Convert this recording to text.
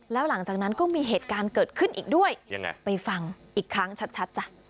แล้วหลังจากนั้นก็มีเหตุการณ์เกิดขึ้นอีกด้วยยังไงไปฟังอีกครั้งชัดจ้ะ